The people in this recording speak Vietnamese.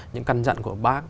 những căn dặn của bác